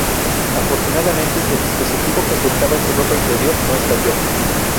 Afortunadamente, el dispositivo que ocultaba en su ropa interior no estalló.